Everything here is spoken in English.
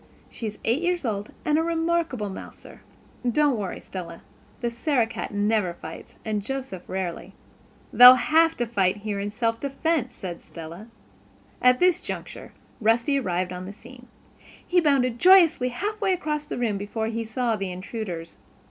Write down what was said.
"She is eight years old, and a remarkable mouser. Don't worry, Stella. The Sarah cat never fights and Joseph rarely." "They'll have to fight here in self defense," said Stella. At this juncture Rusty arrived on the scene. He bounded joyously half way across the room before he saw the intruders.